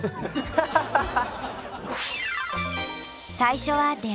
ハハハハ！